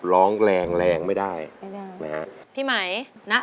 ช่างอีกที่ความรัก